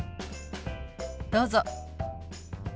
どうぞ。